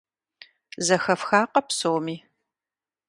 Зэхэфхакъэ псоми?